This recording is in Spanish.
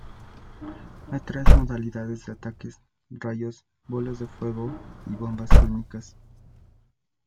Hay tres modalidades de ataques: rayos, bolas de fuego y bombas sónicas.